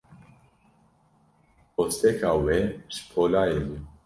Kosteka wê, ji polayê bû.